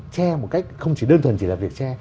tre một cách không chỉ đơn thuần chỉ là việc che